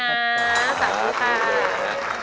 สวัสดีครับ